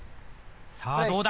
さあどうだ？